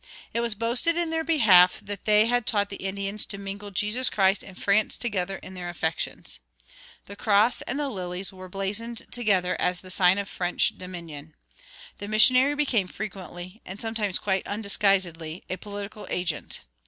It was boasted in their behalf that they had taught the Indians "to mingle Jesus Christ and France together in their affections."[28:1] The cross and the lilies were blazoned together as the sign of French dominion. The missionary became frequently, and sometimes quite undisguisedly, a political agent.